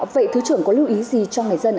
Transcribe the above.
vậy thứ trưởng có lưu ý gì cho người dân ạ